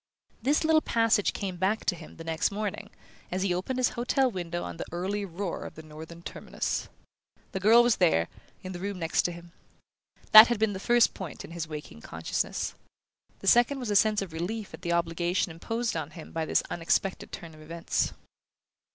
This little passage came back to him the next morning, as he opened his hotel window on the early roar of the Northern Terminus. The girl was there, in the room next to him. That had been the first point in his waking consciousness. The second was a sense of relief at the obligation imposed on him by this unexpected turn of everts.